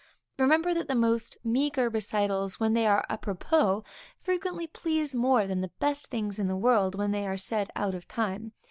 Remember that the most meagre recitals, when they are àpropos, frequently please more than the best things in the world, when they are said out of time.